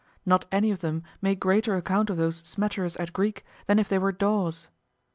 Not any of them make greater account of those smatterers at Greek than if they were daws.